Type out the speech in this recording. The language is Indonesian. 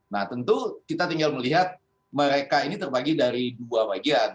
nah tentu kita tinggal melihat mereka ini terbagi dari dua bagian